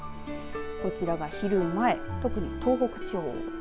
こちらが昼前、特に東北地方雨。